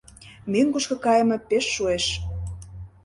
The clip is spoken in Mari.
Мӧҥгышкӧ кайыме пеш шуэш.